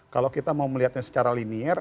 kalau kita mau melihatnya secara linier